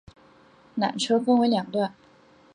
缆车分成两段